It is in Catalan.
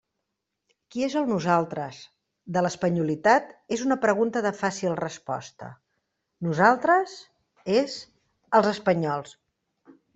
Qui és el «nosaltres» de l'espanyolitat és una pregunta de fàcil resposta: «nosaltres» és «els espanyols».